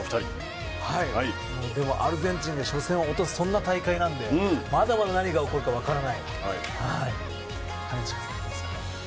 アルゼンチンが初戦を落とすそんな大会なのでまだ何が起こるか分からない。